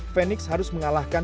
fenix harus mengalahkan